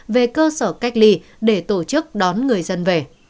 về cơ sở cách ly để tổ chức đón người dân về